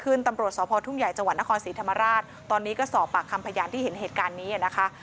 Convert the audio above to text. ตำรวจสพทุ่งใหญ่จังหวัดนครศรีธรรมราชตอนนี้ก็สอบปากคำพยานที่เห็นเหตุการณ์นี้นะคะ